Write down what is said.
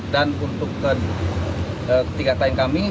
dan untuk ketiga klien kami